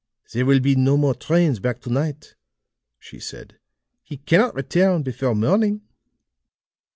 "There will be no more trains back to night," she said. "He cannot return before morning."